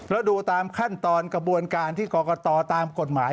แล้วดูตามขั้นตอนกระบวนการที่กรกตตามกฎหมาย